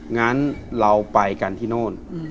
งั้นเราไปกันที่โน่น